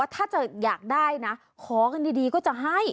ถ้าจะอยากได้นะขอกันดีก็จะให้